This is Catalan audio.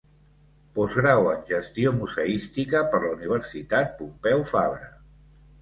Postgrau en Gestió Museística per la Universitat Pompeu Fabra.